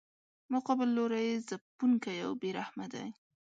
مقابل لوری ځپونکی او بې رحمه دی.